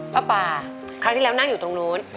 ป้าป่าครั้งที่แล้วนั่งอยู่ตรงนู้น